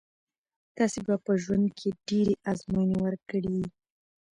تاسي به په ژوند کښي ډېري آزمویني ورکړي يي.